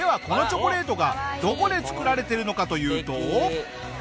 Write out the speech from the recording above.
このチョコレートがどこで作られてるのかというと。